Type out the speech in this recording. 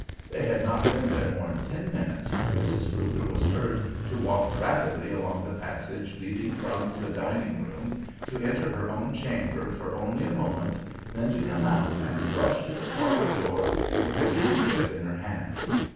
They had not been there more than ten minutes when Mrs. Fluker was heard to walk rapidly along the passage leading from the dining room, to enter her own chamber for only a moment, then to come out and rush to the parlor door with the gig whip in her hand.